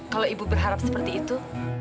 kalau ibu berharap seperti itu